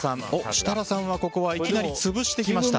設楽さんはいきなり潰してきました。